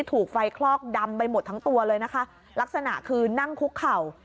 ถูกไฟคลอกดำไปหมดทั้งตัวเลยนะคะลักษณะคือนั่งคุกเข่า